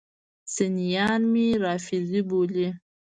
سنیان مې رافضي بولي.